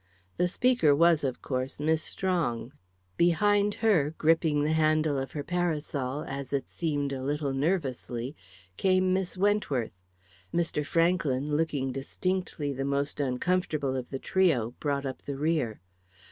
The speaker was, of course, Miss Strong. Behind her, gripping the handle of her parasol, as it seemed a little nervously, came Miss Wentworth. Mr. Franklyn, looking distinctly the most uncomfortable of the trio, brought up the rear.